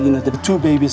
chúng ta không thể làm gì